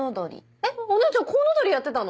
えっお姉ちゃん『コウノドリ』やってたの？